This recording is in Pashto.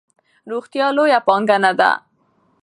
روغتیا لویه پانګه ده.